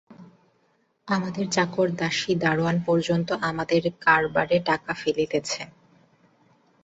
আমাদের চাকর দাসী দরোয়ান পর্যন্ত আমাদের কারবারে টাকা ফেলিতেছে।